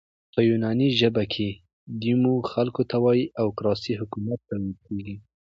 په یوناني ژبه کښي ديمو خلکو ته وایي او کراسي حاکمیت ته ویل کیږي.